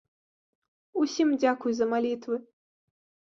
Усім дзякуй за малітвы!